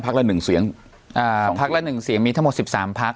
ละหนึ่งเสียงอ่าสองพักละหนึ่งเสียงมีทั้งหมดสิบสามพัก